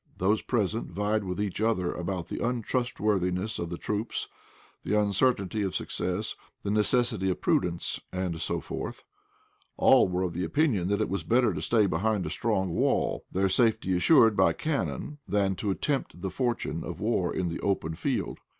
Those present vied with each other about the untrustworthiness of the troops, the uncertainty of success, the necessity of prudence, and so forth. All were of opinion that it was better to stay behind a strong wall, their safety assured by cannon, than to tempt the fortune of war in the open field.